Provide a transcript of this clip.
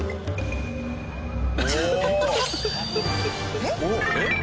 えっ？